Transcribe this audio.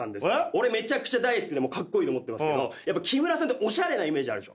俺めちゃくちゃ大好きでカッコイイと思ってますけどやっぱ木村さんっておしゃれなイメージあるでしょ。